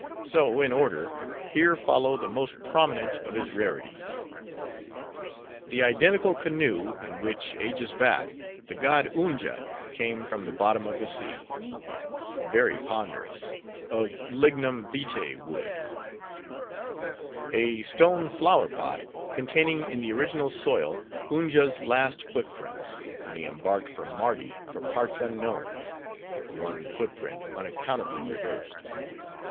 So, in order, here follow the most prominent of his rarities:— The identical Canoe, in which, ages back, the god Unja came from the bottom of the sea. (Very ponderous; of lignum vitae wood). A stone Flower pot, containing in the original soil, Unja's last footprints, when he embarked from Mardi for parts unknown. (One foot print unaccountably reversed).